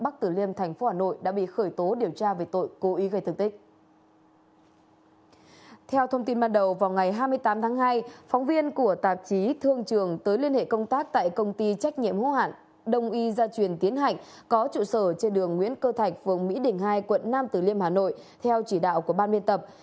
theo thông tin ban đầu vào ngày hai mươi tám tháng hai phóng viên của tạp chí thương trường tới liên hệ công tác tại công ty trách nhiệm hữu hạn đông y gia truyền tiến hạnh có trụ sở trên đường nguyễn cơ thạch phường mỹ đình hai quận nam tử liêm hà nội theo chỉ đạo của ban biên tập